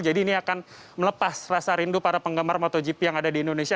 jadi ini akan melepas rasa rindu para penggemar motogp yang ada di indonesia